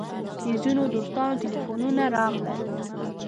د ځینو دوستانو تیلفونونه راغلل.